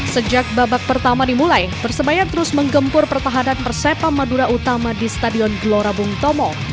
sejak babak pertama dimulai persebaya terus menggempur pertahanan persepam madura utama di stadion gelora bung tomo